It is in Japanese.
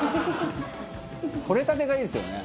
取れたてがいいですよね。